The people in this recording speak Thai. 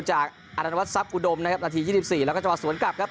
จากอรวัตทรัพย์อุดมนะครับนาที๒๔แล้วก็จังหวะสวนกลับครับ